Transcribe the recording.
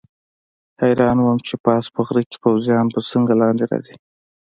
حیران وم چې پاس په غره کې پوځیان به څنګه لاندې راځي.